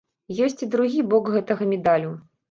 Ёсць і другі бок гэтага медалю.